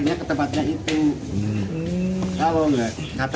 ternyata tersangka berusaha melarikan diri